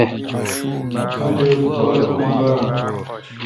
آجوک کِر اوں باڑ۔